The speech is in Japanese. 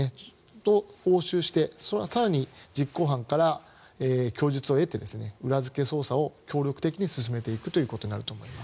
それを押収して、更に実行犯から供述を得て裏付け捜査を協力して進めていくということになります。